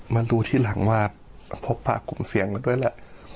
มาดูที่หลังว่าพบปากกลุ่มเสียงมาด้วยแหละ